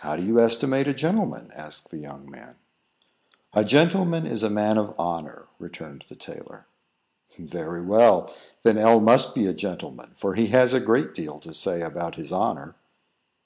"How do you estimate a gentleman?" asked the young man. "A gentleman is a man of honour," returned the tailor. "Very well; then L must be a gentleman, for he has a great deal to say about his honour."